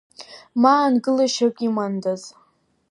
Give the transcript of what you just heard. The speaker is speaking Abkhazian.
Ма аангылашьак имандаз!